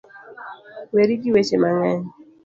Weri gi weche mang'eny